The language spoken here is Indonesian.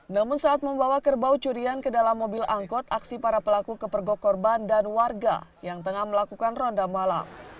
namun saat membawa kerbau curian ke dalam mobil angkot aksi para pelaku kepergok korban dan warga yang tengah melakukan ronda malam